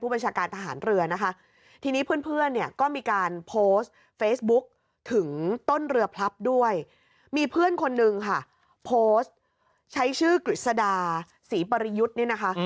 มีเพื่อนคนนึงค่ะโพสต์ใช้ชื่อกฤษฎาศรีปริยุทธ์เนี่ยนะคะ